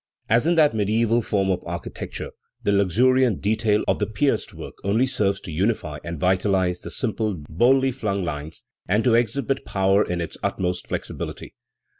As in that mediaeval form of architecture, the luxuriant detail of the pierced work only serves to unify and vitalise the simple, boldly flung lines, and to exhibit power in its ut most flexibility.